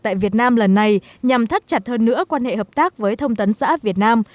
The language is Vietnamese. tại việt nam lần này nhằm thắt chặt hơn nữa quan hệ hợp tác với thông tấn xã việt nam